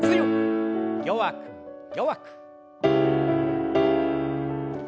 弱く弱く。